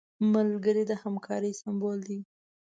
ملګری د همکارۍ سمبول دی